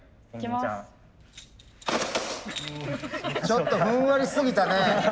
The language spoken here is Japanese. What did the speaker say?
ちょっとふんわりすぎたね。